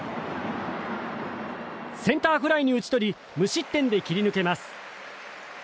センターフライに打ち取り無失点で切り抜けます。